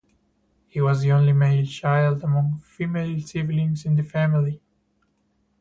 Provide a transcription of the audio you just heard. He was the only male child among female siblings in the family.